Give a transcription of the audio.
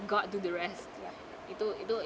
dan biarkan tuhan melakukan yang lain